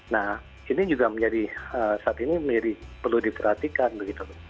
nah ini juga saat ini menjadi perlu diperhatikan begitu